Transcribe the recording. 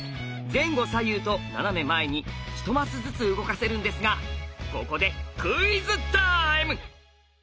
前後左右と斜め前に１マスずつ動かせるんですがここでクイズタイム！